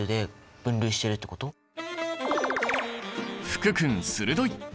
福君鋭い！